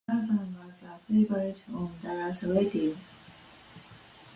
The album was a favorite on Dallas radio.